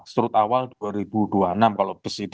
strut awal dua ribu dua puluh enam kalau bus itu